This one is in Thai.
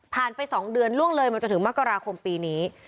ไป๒เดือนล่วงเลยมาจนถึงมกราคมปีนี้